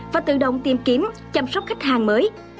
và tự động tìm kiếm chăm sóc khách hàng mới